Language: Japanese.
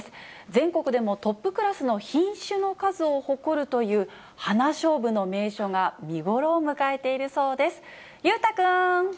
全国でもトップクラスの品種の数を誇るという花しょうぶの名所が見頃を迎えているそうです。